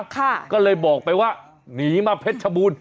ก็เลยบอกไปว่าหนีมาเพชรชบูรณ